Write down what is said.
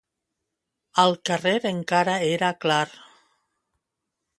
Al carrer encara era clar.